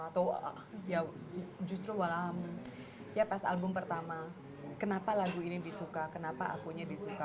atau ya justru walau ya pas album pertama kenapa lagu ini disuka kenapa akunya disuka